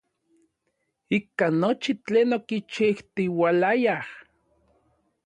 Ika nochi tlen okichijtiualayaj.